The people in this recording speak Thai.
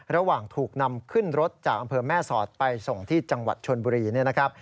ระหว่างถูกนำขึ้นรถจากอำเภอแม่สอดไปส่งที่จังหวัดชนบุรีเนี่ยนะครับ